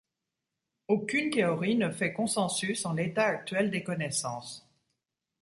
Aucune théorie ne fait consensus en l'état actuel des connaissances.